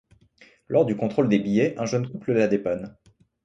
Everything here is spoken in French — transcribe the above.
Lors du contrôle des billets, un jeune couple la dépanne.